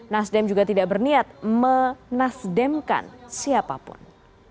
nasdem juga tidak berniat menasdemkan siapapun